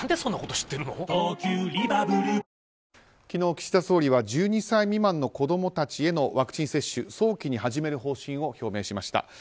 昨日、岸田総理は１２歳未満の子供たちへのワクチン接種を早期に始める方針を表明しました。